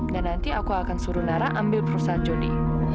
dan nanti aku akan suruh nara ambil perusahaan jody